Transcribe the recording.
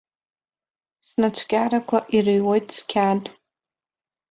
Снацәкьарақәа ирыҩуеит сқьаад.